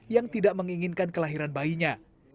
yang tidak menginginkan kelahiran bayinya